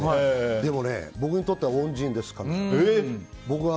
でもね、僕にとっては恩人です彼女は。